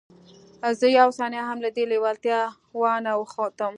زه یوه ثانیه هم له دې لېوالتیا وانه وښتم